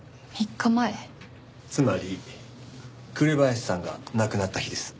つまり紅林さんが亡くなった日です。